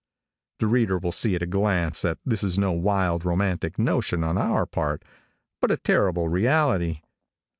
The reader will see at a glance that this is no wild romantic notion on our part, but a terrible reality.